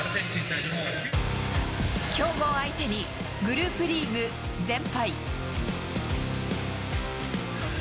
強豪相手に、グループリーグ全敗。